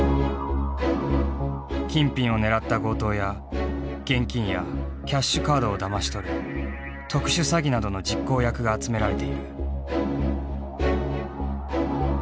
金品を狙った強盗や現金やキャッシュカードをだまし取る特殊詐欺などの実行役が集められている。